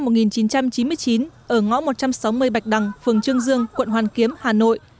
bùi mạnh duy sinh năm một nghìn chín trăm chín mươi chín ở ngõ một trăm sáu mươi bạch đằng phường trương dương quận hoàn kiếm hà nội